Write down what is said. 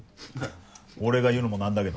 俺が言うのも何だけど。